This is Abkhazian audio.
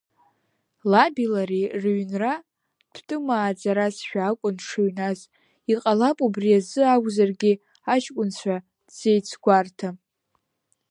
Лаби лареи рыҩнра дтәымааӡаразшәа акәын дшыҩназ, иҟалап убри азы акәзаргьы аҷкәынцәа дзеицгәарҭа.